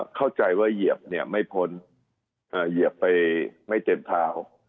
เข้าใจว่าเหยียบเนี่ยไม่พ้นเหยียบไปไม่เต็มเท้า